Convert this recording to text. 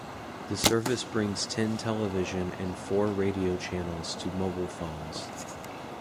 The service brings ten television and four radio channels to mobile phones.